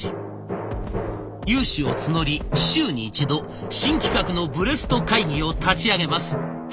有志を募り週に１度新企画のブレスト会議を立ち上げます。